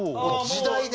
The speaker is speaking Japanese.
時代で？